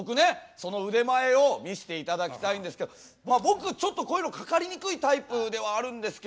その腕前を見して頂きたいんですけど僕ちょっとこういうのかかりにくいタイプではあるんですけども。